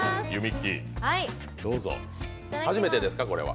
初めてですか、これは？